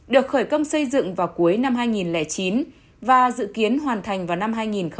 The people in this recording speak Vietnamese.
được khởi công xây dựng vào cuối năm hai nghìn chín và dự kiến hoàn thành vào năm hai nghìn một mươi sáu